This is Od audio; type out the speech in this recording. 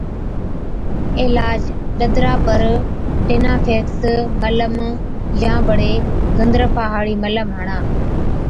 عِلاج، ڏَدرا پر (Tineafax Ointement) ٽائِينيافيڪس ملم يان بڙي گندرفا هاڙِي ملم هڻا۔